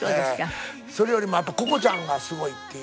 それよりもＣｏｃｏちゃんがすごいっていう。